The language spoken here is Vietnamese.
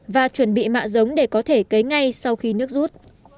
và chuẩn bị mạ giống để có thể cấy ngay sau khi nước rút